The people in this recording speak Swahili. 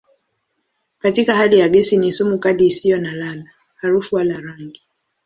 Katika hali ya gesi ni sumu kali isiyo na ladha, harufu wala rangi.